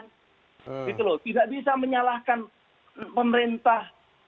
gitu loh tidak bisa menyalahkan pemerintah